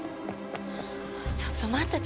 ちょっと待って翼。